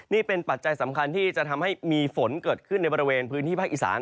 นี่เป็นปัจจัยสำคัญที่จะทำให้มีฝนเกิดขึ้นในบริเวณพื้นที่ภาคอีสาน